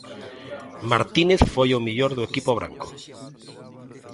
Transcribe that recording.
Martínez foi o mellor do equipo branco.